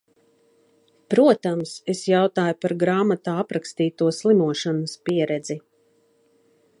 Protams, es jautāju par grāmatā aprakstīto slimošanas pieredzi.